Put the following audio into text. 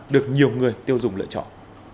được nhiều người tiêu dùng lựa chọn